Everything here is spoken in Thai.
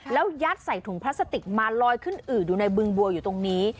แล้วยัดใส่ถุงพลาสติกมาลอยขึ้นอืดอยู่ในบึงบัวอยู่ตรงนี้